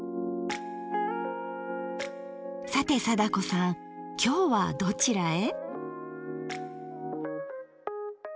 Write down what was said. さて貞子さんきょうはどちらへ？